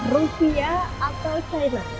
rusia atau china